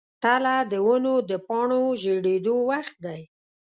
تله د ونو د پاڼو ژیړیدو وخت دی.